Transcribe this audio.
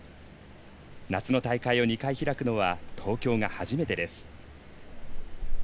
夏の大会を２回開くのは東京が初めてです。